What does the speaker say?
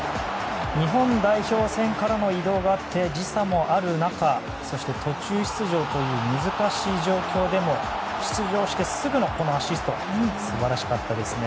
日本代表戦からの移動があって時差もある中そして途中出場という難しい状況でも出場してすぐのこのアシスト素晴らしかったですね。